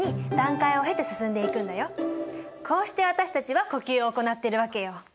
こうして私たちは呼吸を行ってるわけよ。